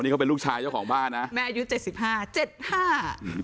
นี่เขาเป็นลูกชายเจ้าของบ้านนะแม่อายุเจ็ดสิบห้าเจ็ดห้าอืม